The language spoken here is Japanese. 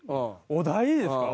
お題ですか？